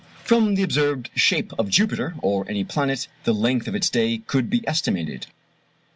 From the observed shape of Jupiter or any planet the length of its day could be estimated.